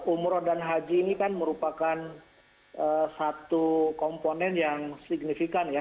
umroh dan haji ini kan merupakan satu komponen yang signifikan ya